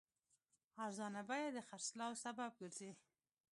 ارزانه بیه د خرڅلاو سبب ګرځي.